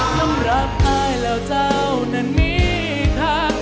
สำหรับอายแล้วเจ้านั้นมีทาง